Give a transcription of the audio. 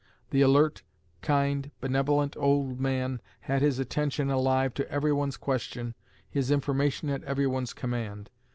The alert, kind, benevolent old man had his attention alive to every one's question, his information at every one's command.